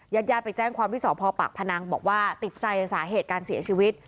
ยัดยาไปแจ้งความวิสอบพอปากพนังบอกว่าติดใจในสาเหตุการเสียชีวิต